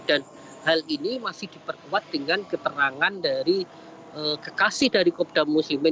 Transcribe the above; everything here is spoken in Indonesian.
dan hal ini masih diperkuat dengan keterangan dari kekasih dari kopda muslimin